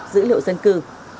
dữ liệu dân cư